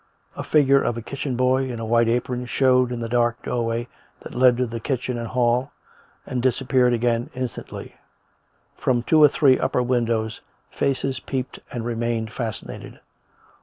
A figure of a kitchen boy, in a white apron, showed in the dark doorway that led to the kitchen and hall, and disappeared again instantly. From two or three upper windows faces peeped and remained fascinated.